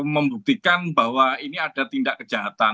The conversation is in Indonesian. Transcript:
membuktikan bahwa ini ada tindak kejahatan